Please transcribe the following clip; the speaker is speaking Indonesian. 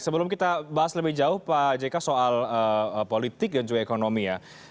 sebelum kita bahas lebih jauh pak jk soal politik dan juga ekonomi ya